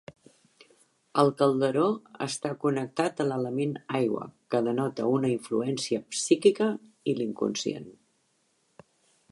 El calderó està connectat a l'element Aigua que denota una influència psíquica i l'inconscient.